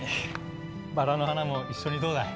バラの花も一緒にどうだい？